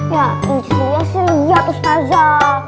ya ustazah sih lihat ustazah